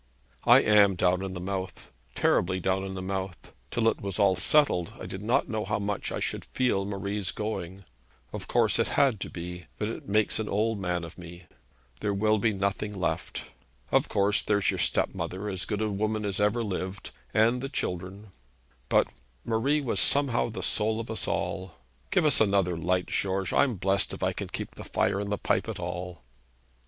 'I am down in the mouth, terribly down in the mouth. Till it was all settled, I did not know how much I should feel Marie's going. Of course it had to be, but it makes an old man of me. There will be nothing left. Of course there's your stepmother, as good a woman as ever lived, and the children; but Marie was somehow the soul of us all. Give us another light, George. I'm blessed if I can keep the fire in the pipe at all.'